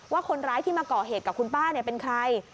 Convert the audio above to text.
ว่าคนร้ายที่มาก่อเหตุกับคุณป้าเป็นใคร